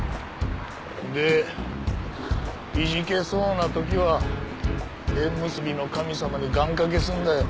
でいじけそうな時は縁結びの神様に願掛けすんだよ。